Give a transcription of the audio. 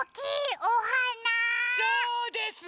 そうです！